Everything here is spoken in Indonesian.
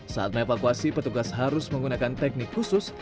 saat me evakuasi petugas harus menggunakan teknik kusum